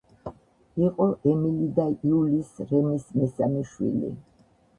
იყო ემილი და იულის რემის მესამე შვილი.